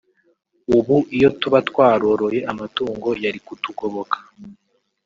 ubu iyo tuba twaroroye amatungo yari kutugoboka”